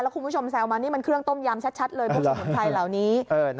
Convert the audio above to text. คุณผู้ชมแซวมานี่มันเครื่องต้มยำชัดเลยพวกสมุนไพรเหล่านี้